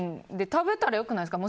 食べたらよくないですか。